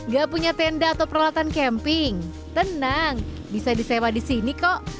gak punya tenda atau peralatan camping tenang bisa disewa di sini kok